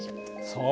そう。